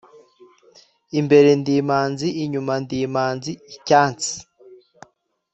Imbere ndi imanzi inyuma ndi imanzi-Icyansi.